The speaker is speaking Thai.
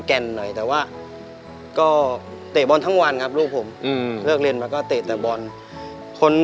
แก่นหน่อยแต่ว่าก็เตะบอลทั้งวัน